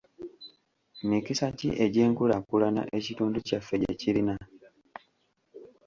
Mikisa ki egy’enkulaakulana ekitundu kyaffe gye kirina?